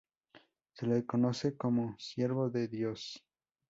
Se le conoce como Siervo de Dios Fr.